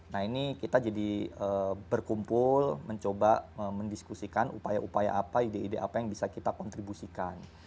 nah ini kita jadi berkumpul mencoba mendiskusikan upaya upaya apa ide ide apa yang bisa kita kontribusikan